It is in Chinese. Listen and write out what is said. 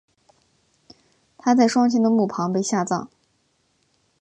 她在双亲的墓旁被下葬。